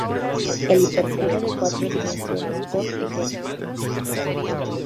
El hipercubo de cuatro dimensiones, por ej.